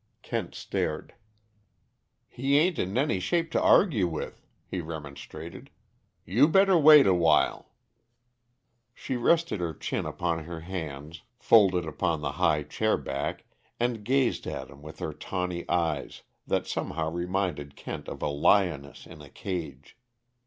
Kent stared. "He ain't in any shape to argue with," he remonstrated. "You better wait a while." She rested her chin upon her hands, folded upon the high chair back, and gazed at him with her tawny eyes, that somehow reminded Kent of a lioness in a cage.